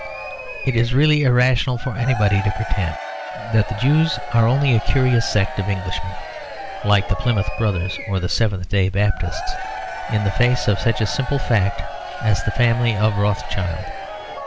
It is really irrational for anybody to pretend that the Jews are only a curious sect of Englishmen, like the Plymouth Brothers or the Seventh Day Baptists, in the face of such a simple fact as the family of Rothschild.